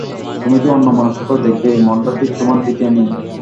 তুমি তো অন্যমনস্ক দেখবেই, মনটা ঠিক তোমার দিকে নেই।